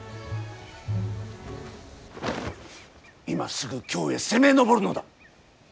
今すぐ京へ攻め上るのだ！